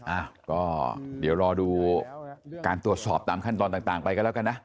อ่ะก็เดี๋ยวรอดูการตรวจสอบตามขั้นตอนต่างไปกันแล้วกันนะ